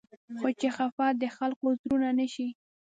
خو چې خفه د خلقو زړونه نه شي